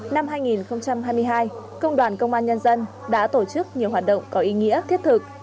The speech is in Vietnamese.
năm hai nghìn hai mươi hai công đoàn công an nhân dân đã tổ chức nhiều hoạt động có ý nghĩa thiết thực